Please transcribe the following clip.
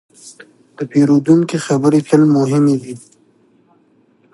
د پیرودونکي خبرې تل مهمې دي.